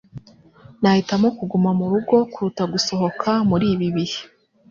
Nahitamo kuguma murugo kuruta gusohoka muri ibi bihe